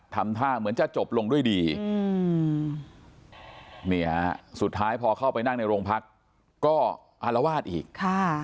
ทำท่าเหมือนจะจบลงด้วยดีนี่ฮะสุดท้ายพอเข้าไปนั่งในโรงพักก็อารวาสอีก